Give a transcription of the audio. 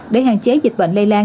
để hạn chế dịch bệnh lây lan